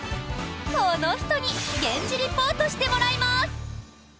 この人に現地リポートしてもらいます！